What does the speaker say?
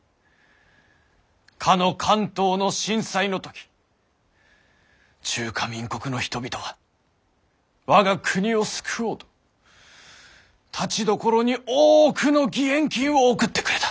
かの関東の震災の時中華民国の人々は我が国を救おうとたちどころに多くの義援金を贈ってくれた。